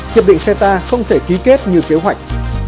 hiệp định ceta không thể ký kết như kế hoạch